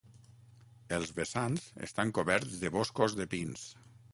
Els vessants estan coberts de boscos de pins.